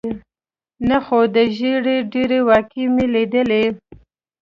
نه، خو د ژېړي ډېرې واقعې مې لیدلې.